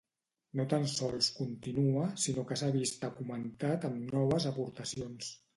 No tan sols continua, sinó que s'ha vist augmentat amb noves aportacions.